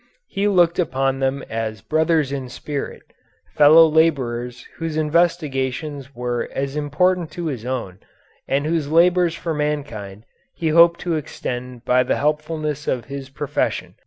He looked upon them as brothers in spirit, fellow laborers whose investigations were as important as his own and whose labors for mankind he hoped to extend by the helpfulness of his profession.